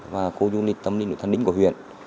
và khu dung tâm lý thân đỉnh của huyện